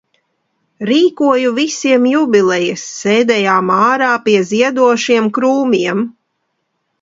Rīkoju visiem jubilejas, sēdējām ārā pie ziedošiem krūmiem.